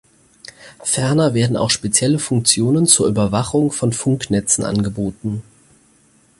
Ferner werden auch spezielle Funktionen zur Überwachung von Funknetzen angeboten.